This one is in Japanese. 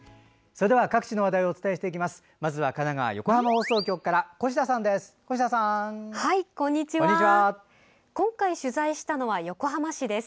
それでは各地の話題をお伝えしていきます。